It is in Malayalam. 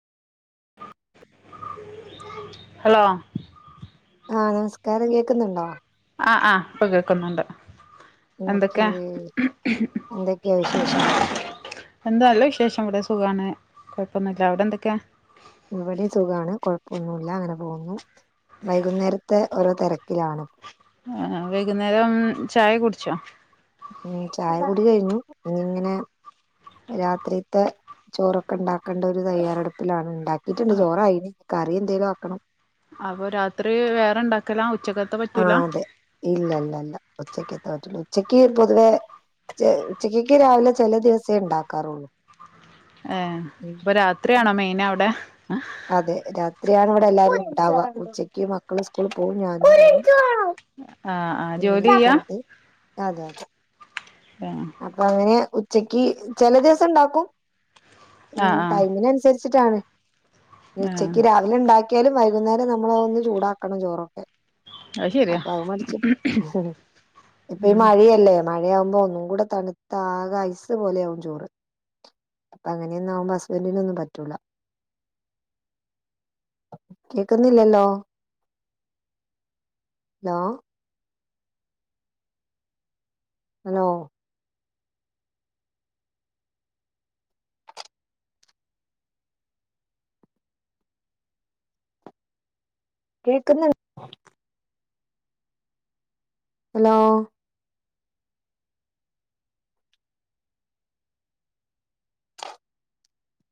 ഹലോ ആ നമസ്കാരം കേൾക്കുന്നുണ്ടോ ആഹ് ആഹ് ഇപ്പൊ കേൾക്കുന്നുണ്ട് ഓക്കേ എന്തൊക്കെ എന്തൊക്കെയാ വിശേഷം എന്താല്ല വിശേഷം ഇവിടെ സുഖമാണ് കുഴപ്പമൊന്നുമല്ല അവിടെ എന്തൊക്കെയാണ് ഇവിടെ സുഖമാണ് കുഴപ്പൊന്നുമല്ല അങ്ങനെ പോകുന്നു വൈകുന്നേരത്തെ ഓരോ തിരക്കിലാണ് ആ വൈകുന്നേരം ചായ കുടിച്ചോ ഉ ചായ കുടി കഴിഞ്ഞു ഇനി ഇങ്ങനെ രാത്രിത്തെ ചോറൊക്കെ ഉണ്ടാക്കേണ്ട ഒരു തയ്യാറെടുപ്പിലാണ് ഉണ്ടാക്കി കട്ടുണ്ട് ചോറായി കറി എന്തേലും ആക്കണം അപ്പൊ രാത്രി വേറെണ്ടാക്കല ഉച്ചക്ക ആ അതെ ഇല്ലല്ല ഇല്ല ഉച്ചക്ക് എത്താൻ പറ്റുള്ളൂ ഉച്ചക്ക് പൊതുവേ ചിക്കക്ക് രാവിലെ ചില ദിവസേ ഉണ്ടാക്കാറുള്ളൂ ഏ ഉം അപ്പൊ രാത്രിയാണോ മെയിൻ അവിടെ അതെ രാത്രിയാണ് ഇവിടെ എല്ലാരും ഉണ്ടാവുക ഉച്ചക്ക് മക്കള് സ്കൂളിൽ പോകും ഞാനും ആഹ് ആഹ് ജോലി ചെയ്യാ അതെ അതെ ആഹ് അപ്പൊ അങ്ങനെ ഉച്ചക്ക് ചില ദിവസം ഉണ്ടാക്കും ആഹ് ടൈമിനനുസരിച്ചിട്ടാണ് ആഹ് ഉച്ചക്ക് അല ഉണ്ടാക്കിയാലും വൈകുന്നേരം നമ്മള ഒന്ന് ചൂടാക്കണം ചോറൊക്കെ അത് ശരിയാ അപ്പൊ അത് മടിച്ച ഇപ്പൊ ഈ മഴയല്ലേ മഴയാവുമ്പോ ഒന്നും കൂടെ തണുത്ത ആക ഐസ് പോലെയ ആകും ചോറ് അപ്പൊ അങ്ങനൊന്നും ആവുമ്പോ ഹസ്ബന്ഡില ഒന്നും പറ്റൂ കേക്കുന്നില്ലല്ലോ ഹലോ ഹലോ കേൾക്കുന്ന ഹലോ